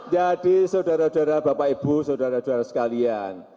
jadi saudara saudara bapak ibu saudara saudara sekalian